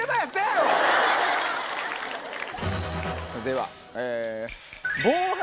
では。